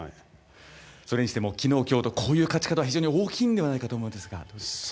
それにしても昨日、今日とこういう勝ち方は大きいんではないかと思いますが。